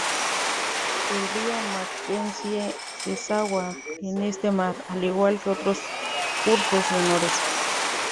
El río Mackenzie desagua en este mar, al igual que otros cursos menores.